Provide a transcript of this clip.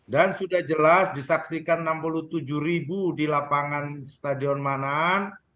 dan sudah jelas disaksikan enam puluh tujuh ribu di lapangan stadion manaan